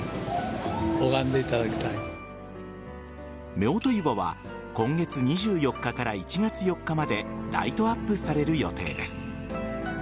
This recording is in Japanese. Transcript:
夫婦岩は今月２４日から１月４日までライトアップされる予定です。